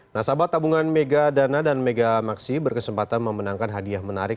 nasabah tabungan mega dana dan mega maksi berkesempatan memenangkan hadiah menarik